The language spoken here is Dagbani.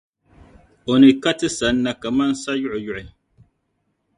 O ni ka ti sanna kaman sayuɣiyuɣi.